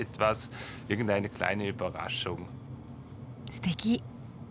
すてき！